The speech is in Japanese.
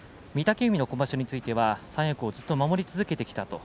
御嶽海の今場所については三役をずっと守り続けてきた